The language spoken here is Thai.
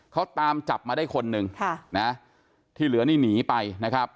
เขาตามจับมาได้คนหนึ่งค่ะนะที่เหลือนี่หนีไปนะครับ